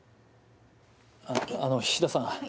あの菱田さん。